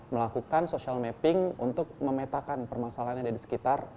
melakukan social mapping untuk memetakan permasalahan yang ada di sekitar wilayah operasional kita